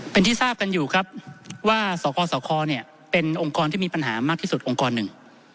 เป็นที่ทราบกันอยู่ครับว่าสกสคเนี่ยเป็นองค์กรที่มีปัญหามากที่สุดองค์กรหนึ่ง